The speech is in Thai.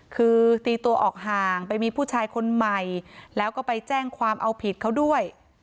คือตีตัวออกห่างไปมีผู้ชายคนใหม่แล้วก็ไปแจ้งความเอาผิดเขาด้วย